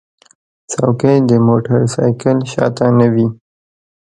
چوکۍ د موټر سایکل شا ته نه وي.